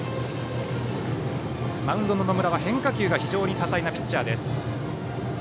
マウンドの野村は変化球が非常に多彩なピッチャーです。